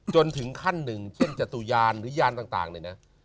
จนถึงขั้นหนึ่งเช่นจตุยานหรือยานต่างเนี่ยนะ